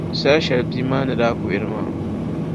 Saha shɛli bia maa ni daa kuhiri maa.